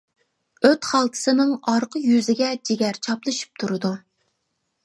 ئۆت خالتىسىنىڭ ئارقا يۈزىگە جىگەر چاپلىشىپ تۇرىدۇ.